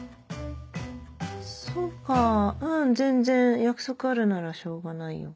そっかうん全然約束あるならしょうがないよ。